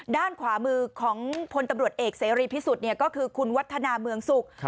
ด้านขวามือของพลตำรวจเอกเสรีพิสุทธิ์ก็คือคุณวัฒนาเมืองสุข